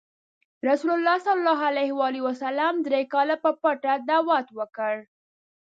رسول الله ﷺ دری کاله په پټه دعوت وکړ.